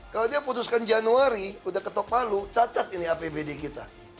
kalau dia putuskan januari udah ketok palu cacat ini apbd kita